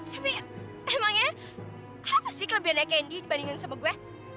tapi emangnya apa sih kelebihannya kendi dibandingin sama gue